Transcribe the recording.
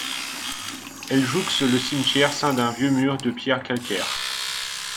Elle jouxte le cimetière ceint d'un vieux mur de pierre calcaire.